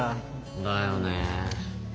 だよね。